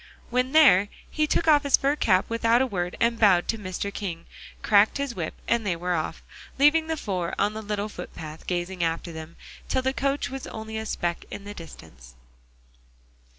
When there, he took off his fur cap without a word, and bowed to Mr. King, cracked his whip and they were off, leaving the four on the little foot path gazing after them, till the coach was only a speck in the distance.